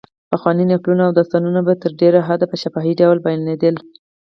پخواني نکلونه او داستانونه په تر ډېره حده په شفاهي ډول بیانېدل.